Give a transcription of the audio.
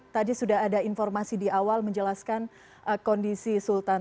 tadi sudah ada informasi di awal menjelaskan kondisi sultan